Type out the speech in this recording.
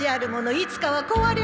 いつかは壊れるものよ。